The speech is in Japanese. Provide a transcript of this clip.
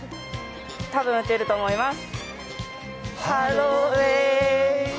多分、打てると思います。